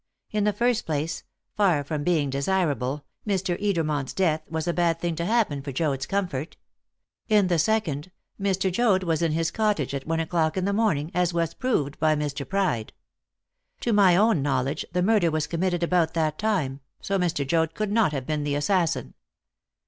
In the first place, far from being desirable, Mr. Edermont's death was a bad thing to happen for Joad's comfort. In the second, Mr. Joad was in his cottage at one o'clock in the morning, as was proved by Mr. Pride. To my own knowledge, the murder was committed about that time, so Mr. Joad could not have been the assassin."